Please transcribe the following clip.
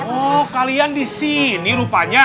oh kalian di sini rupanya